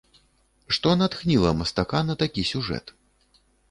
Што натхніла мастака на такі сюжэт?